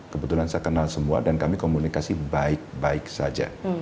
kebetulan saya kenal semua dan kami komunikasi baik baik saja